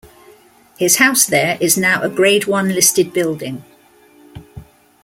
His house there is now a Grade One listed building.